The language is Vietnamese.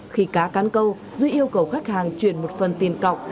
khi cá cán câu duy yêu cầu khách hàng truyền một phần tiền cộng